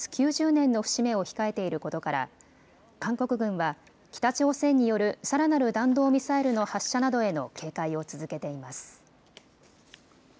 ９０年の節目を控えていることから韓国軍は北朝鮮によるさらなる弾道ミサイルの発射などへの警戒を続けています。